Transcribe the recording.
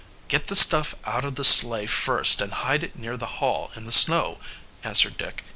"Get the stuff out of the sleigh first and hide it near the Hall in the snow," answered Dick.